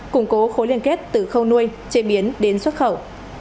củng cố khối liên kết từ khâu nuôi chế biến đến xuất khẩu